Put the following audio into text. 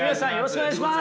お願いします。